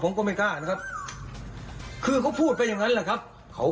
เป็นคนรักครอบครัวแต่รักคุณครอบครัว